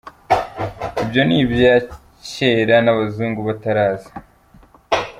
Ibyo ni ibya kera n’abazungu bataraza.